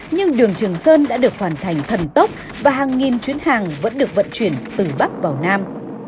nhưng đường trường sơn đã được hoàn thành thần tốc và hàng nghìn chuyến hàng vẫn được vận chuyển từ bắc vào nam